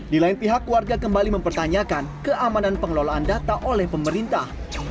di lain pihak warga kembali mempertanyakan keamanan pengelolaan data oleh pemerintah